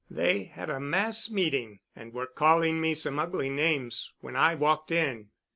They had a mass meeting and were calling me some ugly names when I walked in.